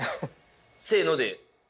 せので。